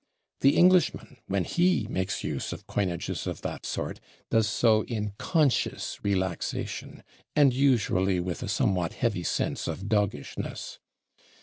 The Englishman, when he makes use of coinages of that sort, does so in conscious relaxation, and usually with a somewhat heavy sense of doggishness.